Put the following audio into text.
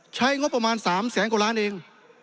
ใช้งบประมาณ๓แสนกว่าล้านเอง